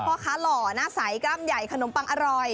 พ่อค้าหล่อหน้าใสกล้ามใหญ่ขนมปังอร่อย